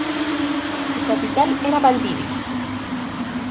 Su capital era Valdivia.